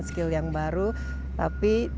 skill yang baru tapi